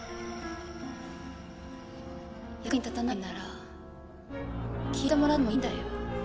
役に立たないなら消えてもらってもいいんだよ。